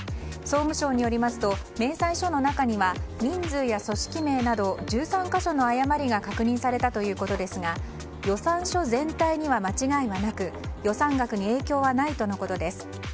総務省によりますと明細書の中には人数や組織名など１３か所の誤りが確認されたということですが予算書全体には間違いはなく予算額に影響はないとのことです。